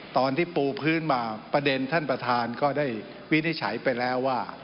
ตอนที่ปูพื้นมาประเด็นท่านประธานก็ได้วินิจฉัยไปแล้วว่า